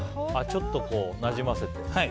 ちょっとなじませて。